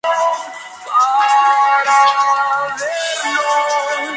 La producción del disco fue llevada a cabo por la propia banda.